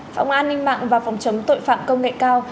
phòng an ninh mạng và phòng chống tội phạm công nghệ cao